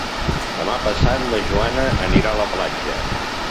Demà passat na Joana anirà a la platja.